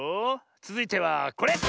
つづいてはこれ！